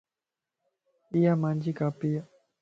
ايا مان جي کاپي ا